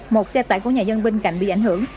một xe tải của nhà dân bên cạnh bị ảnh hưởng